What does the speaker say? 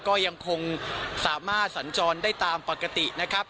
ก็ยังคงสามารถสัญจรได้ตามปกตินะครับ